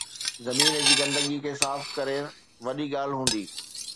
زمين جي گندگي کي صاف ڪرڻ وڏي ڳالهه هوندي